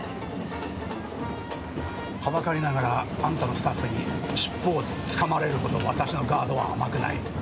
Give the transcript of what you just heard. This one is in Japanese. はばかりながらあんたのスタッフに尻尾をつかまれるほど私のガードは甘くない。